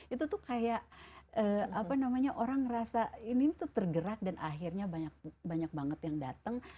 itu kayak orang merasa ini tuh tergerak dan akhirnya banyak banget yang dateng